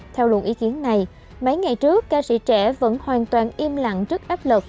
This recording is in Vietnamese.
theo luận ý kiến này mấy ngày trước ca sĩ trẻ vẫn hoàn toàn im lặng trước áp lực